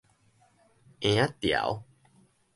嬰仔潮